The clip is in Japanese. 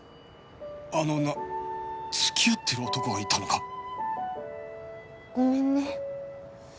あの女付き合ってる男がいたのか？ごめんね。